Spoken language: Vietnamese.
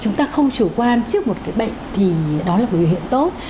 chúng ta không chủ quan trước một cái bệnh thì đó là một biểu hiện tốt